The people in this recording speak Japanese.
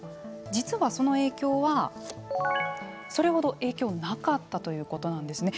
実はその影響はそれほど影響なかったということなんですね。